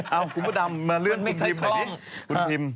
เอ้าคุณพระดำมาเรื่องคุณพิมพ์ไหนดิ